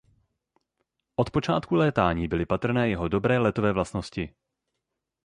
Od počátku létání byly patrné jeho dobré letové vlastnosti.